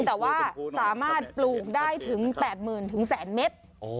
แต่ว่าสามารถปลูกได้ถึง๘๐๐๐๐๑๐๐๐๐๐เม็ด